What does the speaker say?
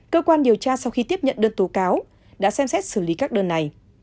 cơ quan điều tra sau khi tiếp nhận đơn tố cáo đã xem xét xử lý các đơn này